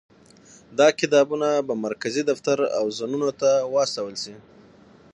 دا کتابونه به مرکزي دفتر او زونونو ته واستول شي.